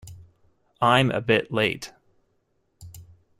I'm a bit late.